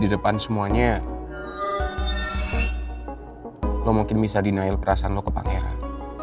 di depan semuanya lo mungkin bisa denial perasaan lo ke pangeran